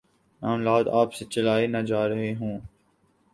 معاملات آپ سے چلائے نہ جا رہے ہوں۔